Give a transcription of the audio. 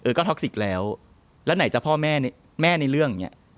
ก็ท็อกสิกแล้วแล้วไหนจะพ่อแม่แม่ในเรื่องอย่างเงี้ย